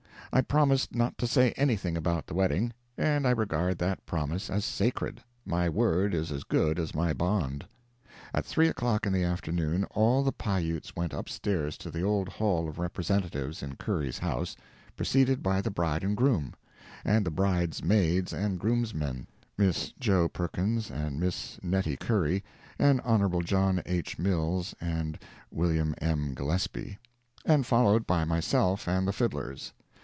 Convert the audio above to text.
I promised not to say anything about the wedding, and I regard that promise as sacred—my word is as good as my bond. At three o'clock in the afternoon, all the Pi Utes went up stairs to the old Hall of Representatives in Curry's house, preceded by the bride and groom, and the brides maids and groomsmen (Miss Jo. Perkins and Miss Nettie Curry, and Hon. John H. Mills and Wm. M. Gillespie) and followed by myself and the fiddlers.